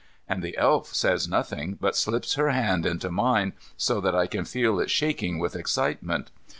And the Elf says nothing, but slips her hand into mine, so that I can feel it shaking with excitement.